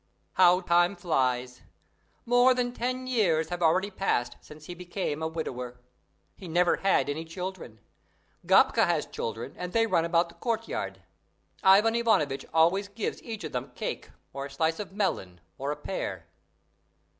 How time flies! More than ten years have already passed since he became a widower. He never had any children. Gapka has children and they run about the court yard. Ivan Ivanovitch always gives each of them a cake, or a slice of melon, or a pear.